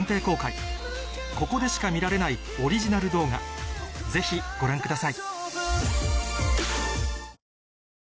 ここでしか見られないオリジナル動画ぜひご覧ください